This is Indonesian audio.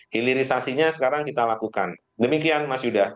hilirisasinya sekarang kita lakukan demikian mas yuda